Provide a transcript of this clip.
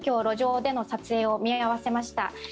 路上での撮影を見合わせました。